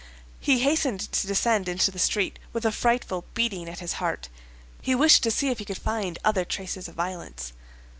He hastened to descend into the street, with a frightful beating at his heart; he wished to see if he could find other traces of violence.